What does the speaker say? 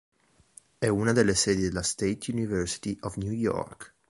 È una delle sedi della State University of New York.